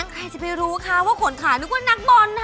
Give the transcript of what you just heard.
ใครจะไปรู้คะว่าขนขานึกว่านักบอลน่ะ